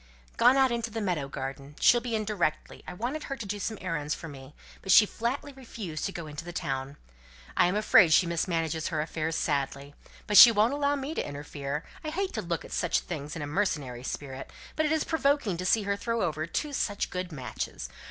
"Gone out into the meadow garden. She'll be in directly. I wanted her to do some errands for me, but she flatly refused to go into the town. I am afraid she mismanages her affairs badly. But she won't allow me to interfere. I hate to look at such things in a mercenary spirit, but it is provoking to see her throw over two such good matches.